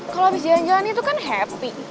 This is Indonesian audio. kalau habis jalan jalan itu kan happy